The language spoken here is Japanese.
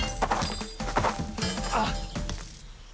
あっ。